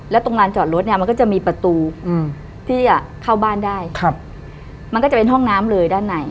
ลานจอดรถอันนี้มันก็จะ